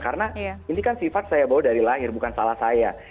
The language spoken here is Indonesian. karena ini kan sifat saya bawa dari lahir bukan salah saya